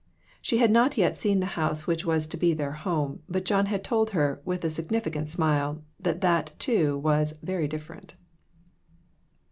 She had not yet seen the house which was to be their home, but John had told her, with a significant smile, that that, too, was "very different."